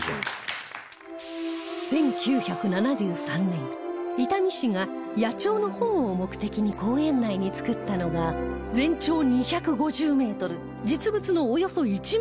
１９７３年伊丹市が野鳥の保護を目的に公園内に作ったのが全長２５０メートル実物のおよそ１万分の１の日本列島